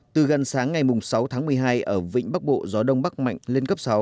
từ gần sáng ngày sáu tháng một mươi hai ở vịnh bắc bộ gió đông bắc mạnh lên cấp sáu